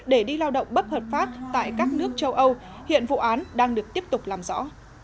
để đi lao động bất hợp pháp tại các nước châu âu hiện vụ án đang được tiếp tục làm rõ